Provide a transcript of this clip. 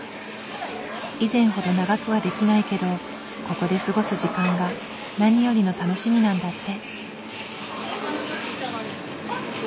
以前ほど長くはできないけどここで過ごす時間が何よりの楽しみなんだって。